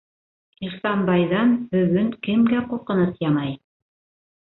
Ихсанбайҙан бөгөн кемгә ҡурҡыныс янай?